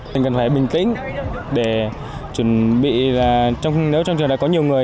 mình cần phải bình tĩnh để chuẩn bị là nếu trong trường này có nhiều người